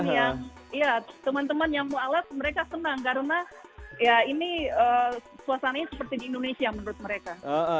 iya teman teman yang mau alat mereka senang karena ini suasananya seperti di indonesia menurut mereka